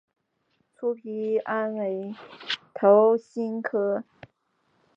粗皮桉为桃金娘科桉属下的一个种。